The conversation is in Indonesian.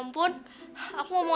biar kamu cepat sembuh